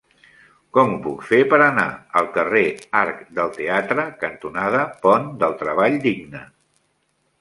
Com ho puc fer per anar al carrer Arc del Teatre cantonada Pont del Treball Digne?